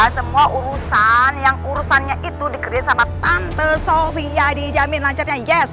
semua urusan yang urusannya itu dikerjain sama tante sofia dijamin lancarnya yes